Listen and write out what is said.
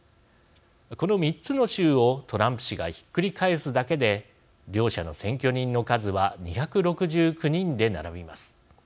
この３つの州をトランプ氏がひっくり返すだけで両者の選挙人の数は２６９人で並びます。